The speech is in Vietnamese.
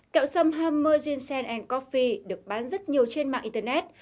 kẹo sâm hammer gin sand coffee được bán rất nhiều trên mạng internet